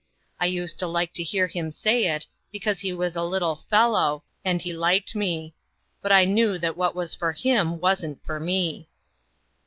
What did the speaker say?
I used to like to hear him say it, because he was a little fellow, and 238 INTERRUPTED. he liked me; but I knew that what was for him wasn't for me."